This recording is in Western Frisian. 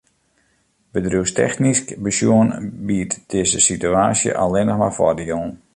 Bedriuwstechnysk besjoen biedt dizze situaasje allinnich mar foardielen.